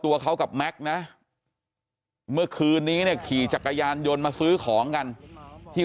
ตัวเขากับแม็กซ์นะเมื่อคืนนี้เนี่ยขี่จักรยานยนต์มาซื้อของกันที่